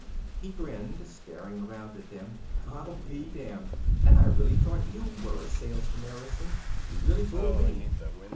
He grinned, staring around at them. "I'll be damned! And I really thought you were a salesman, Erickson. You really fooled me."